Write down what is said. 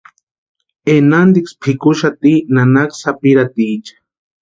Enantiksï pikuxati nanaka sapirhatiecha.